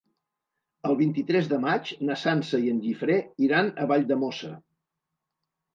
El vint-i-tres de maig na Sança i en Guifré iran a Valldemossa.